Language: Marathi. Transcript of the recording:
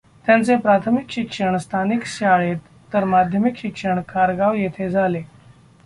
त्यांचे प्राथमिक शिक्षण स्थानिक शाळेत, तर माध्यमिक शिक्षण खारगाव येथे झाले.